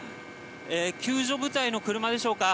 救助部隊の車でしょうか。